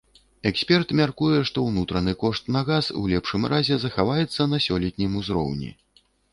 Эксперт мяркуе, што ўнутраны кошт на газ, у лепшым разе, захаваецца на сёлетнім узроўні.